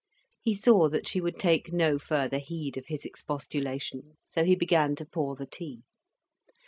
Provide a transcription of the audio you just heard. He saw that she would take no further heed of his expostulation, so he began to pour the tea.